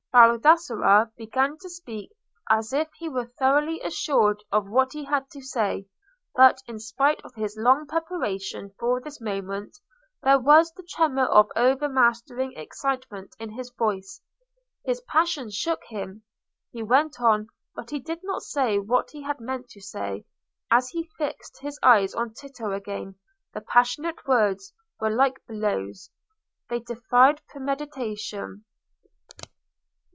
Baldassarre began to speak as if he were thoroughly assured of what he had to say; but, in spite of his long preparation for this moment, there was the tremor of overmastering excitement in his voice. His passion shook him. He went on, but he did not say what he had meant to say. As he fixed his eyes on Tito again the passionate words were like blows—they defied premeditation.